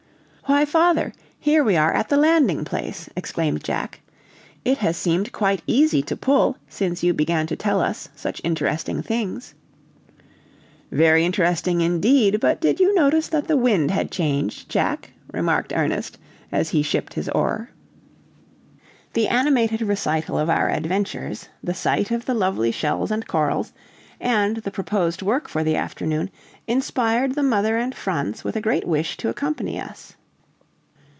"Why, father, here we are at the landing place!" exclaimed Jack. "It has seemed quite easy to pull since you began to tell us such interesting things." "Very interesting, indeed; but did you notice that the wind had changed, Jack?" remarked Ernest as he shipped his oar. The animated recital of our adventures, the sight of the lovely shells and corals, and the proposed work for the afternoon, inspired the mother and Franz with a great wish to accompany us.